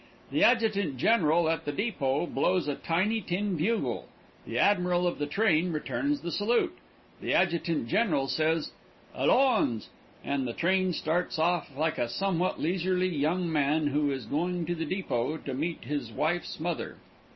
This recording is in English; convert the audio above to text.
The adjutant general at the depot blows a little tin bugle, the admiral of the train returns the salute, the adjutant general says "Allons!" and the train starts off like a somewhat leisurely young man who is going to the depot to meet his wife's mother.